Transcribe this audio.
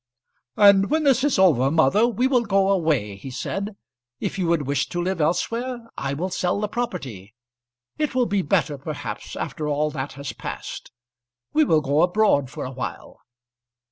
"And when this is over, mother, we will go away," he said. "If you would wish to live elsewhere, I will sell the property. It will be better perhaps after all that has passed. We will go abroad for a while."